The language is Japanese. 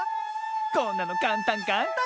こんなのかんたんかんたん！